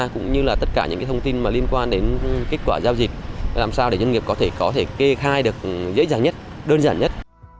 cũng như là tất cả những thông tin liên quan đến kết quả giao dịch làm sao để doanh nghiệp có thể có thể kê khai được dễ dàng nhất đơn giản nhất